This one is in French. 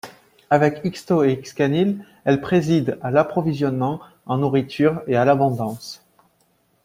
Avec Xtoh et Xcanil, elle préside à l'approvisionnement en nourriture et à l'abondance.